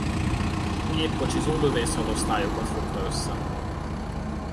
Gépkocsizó Lövészhadosztályokat fogta össze.